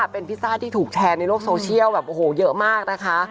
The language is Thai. เป็นพิซซ่าที่ถูกแชร์ในโลกโซเชียลแบบโอ้โหเยอะมากนะคะ